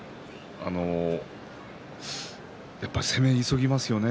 やっぱり攻め急ぎますよね